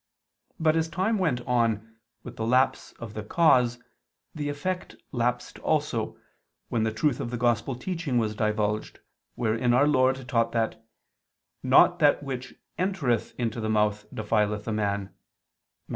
But as time went on, with the lapse of the cause, the effect lapsed also, when the truth of the Gospel teaching was divulged, wherein Our Lord taught that "not that which entereth into the mouth defileth a man" (Matt.